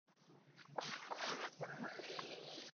ya miamba ya prehistoric na kufikiri ninafanya